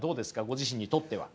ご自身にとっては。